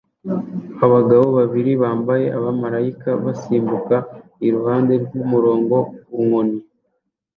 Abagabo babiri bambaye abamarayika basimbuka iruhande rwumugore ku nkoni